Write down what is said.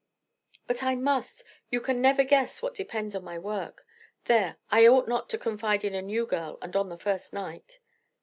"But I must; you can never guess what depends on my work. There, I ought not to confide in a new girl and on the first night."